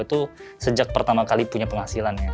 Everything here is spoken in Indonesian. itu sejak pertama kali punya penghasilannya